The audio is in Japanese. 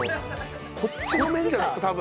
こっちの面じゃないと多分。